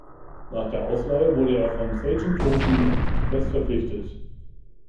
Nach der Ausleihe wurde er von Sagan Tosu fest verpflichtet.